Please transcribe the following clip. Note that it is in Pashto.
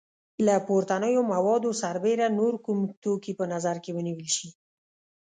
له پورتنیو موادو سربیره نور کوم توکي په نظر کې ونیول شي؟